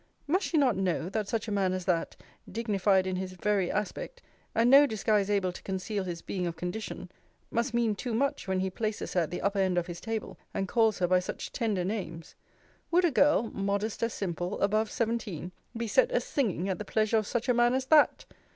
Must she not know, that such a man as that, dignified in his very aspect; and no disguise able to conceal his being of condition; must mean too much, when he places her at the upper end of his table, and calls her by such tender names? Would a girl, modest as simple, above seventeen, be set a singing at the pleasure of such a man as that?